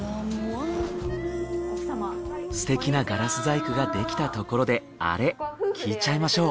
すてきなガラス細工ができたところでアレ聞いちゃいましょう。